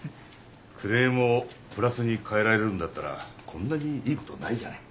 クレームをプラスに変えられるんだったらこんなにいいことないじゃない。